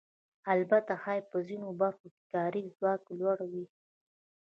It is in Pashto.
البته ښایي په ځینو برخو کې کاري ځواک لوړ وي